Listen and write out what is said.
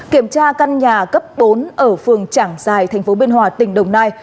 kiểm tra căn nhà cấp bốn ở phường trảng giài thành phố biên hòa tỉnh đồng nai